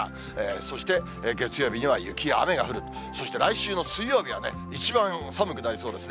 そして、月曜日には雪や雨が降る、そして来週の水曜日はね、一番寒くなりそうですね。